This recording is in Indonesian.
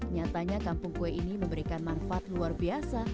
nyatanya kampung kue ini memberikan manfaat luar biasa